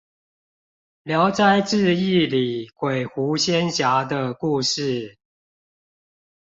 聊齋誌異裏鬼狐仙俠的故事